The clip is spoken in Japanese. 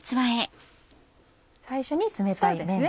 最初に冷たい麺ですね。